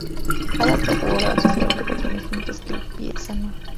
Adams no jugó baloncesto durante cuatro meses, mientras que el pie sano.